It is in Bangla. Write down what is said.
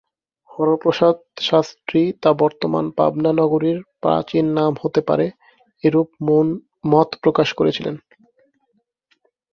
হরপ্রসাদ শাস্ত্রী তা বর্তমান পাবনা নগরীর প্রাচীন নাম হতে পারে এরূপ মত প্রকাশ করেছিলেন।